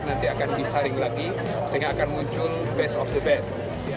nanti akan disaring lagi sehingga akan muncul best of the best